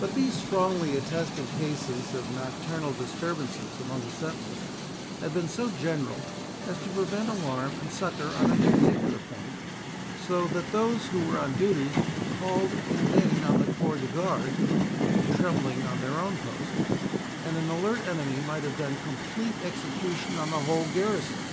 But these strongly attested cases of nocturnal disturbances among the sentinels had been so general as to prevent alarm and succour on any particular point, so that those who were on duty called in vain on the corps de garde, who were trembling on their own post; and an alert enemy might have done complete execution on the whole garrison.